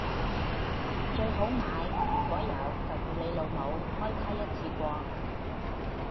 最好買如果有就叫你老母開卡一次過